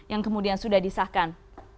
yang kemudian sudah disahkan